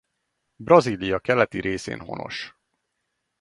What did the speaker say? Brazília keleti részén honos.